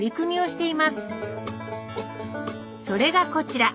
それがこちら。